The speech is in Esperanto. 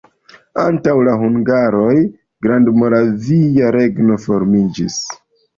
Antaŭ la hungaroj Grandmoravia regno formiĝis.